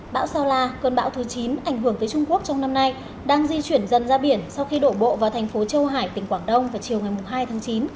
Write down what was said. bão sao la cơn bão thứ chín ảnh hưởng tới trung quốc trong năm nay đang di chuyển dần ra biển sau khi đổ bộ vào thành phố châu hải tỉnh quảng đông vào chiều ngày hai tháng chín